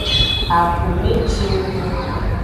Akume cing yo.